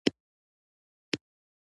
• دروغجن انسان د شر سرچینه وي.